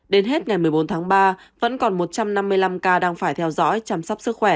đến hết ngày một mươi bốn tháng ba vẫn còn một trăm năm mươi năm ca đang phải theo dõi chăm sóc sức khỏe